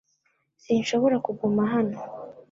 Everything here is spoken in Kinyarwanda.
Sinshobora kuguma hano .